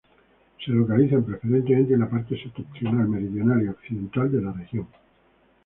Se localizan preferentemente en la parte septentrional, meridional y occidental de la región.